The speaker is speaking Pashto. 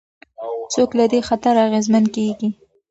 څوک له دې خطره اغېزمن کېږي؟